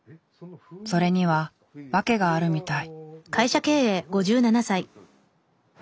それには訳があるみたい。